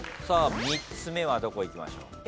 さあ３つ目はどこいきましょう？